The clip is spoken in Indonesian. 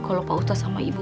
kalau pak ustaz sama ibu